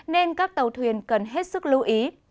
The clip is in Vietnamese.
nên các tàu thuyền cần hết sức lưu ý